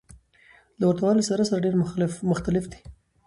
له ورته والي سره سره ډېر مختلف دى.